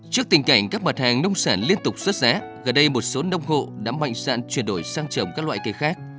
trước tình cảnh các mặt hàng nông sản liên tục xuất giá gần đây một số nông hộ đã mạnh dạn chuyển đổi sang trồng các loại cây khác